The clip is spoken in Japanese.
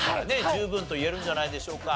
十分といえるんじゃないでしょうか。